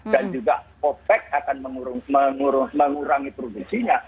dan juga opec akan mengurangi produksinya